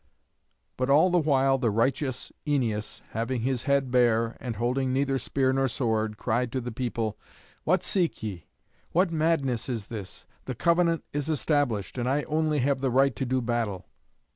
But all the while the righteous Æneas, having his head bare, and holding neither spear nor sword, cried to the people, "What seek ye? what madness is this? The covenant is established, and I only have the right to do battle."